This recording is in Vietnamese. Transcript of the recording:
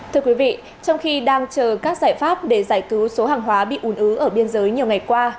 thưa quý vị trong khi đang chờ các giải pháp để giải cứu số hàng hóa bị ùn ứ ở biên giới nhiều ngày qua